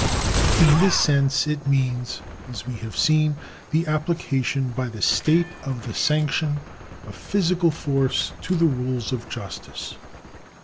In this sense it means, as we have seen, the applica tion by the state of the sanction of physical force to the rules of justice.